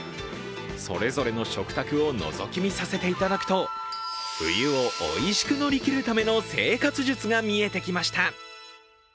それぞれの食卓をのぞき見させていただくと、冬をおいしく乗り切るための生活術が見えてきました。